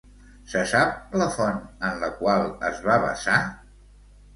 Se sap la font en la qual es va basar?